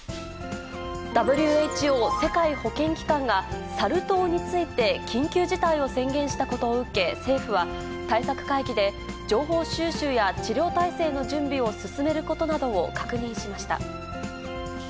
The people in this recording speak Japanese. ＷＨＯ・世界保健機関が、サル痘について緊急事態を宣言したことを受け、政府は対策会議で情報収集や治療体制の準備を進めることなどを確認しました。